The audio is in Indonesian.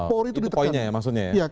oh itu poinnya ya maksudnya ya